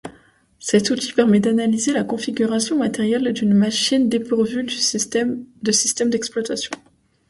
Cet outil permet d'analyser la configuration matérielle d'une machine dépourvue de système d'exploitation.